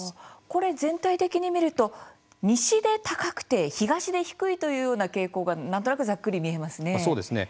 これ、全体的に見ると西で高くて東で低いというような傾向がなんとなくざっくり見えますね。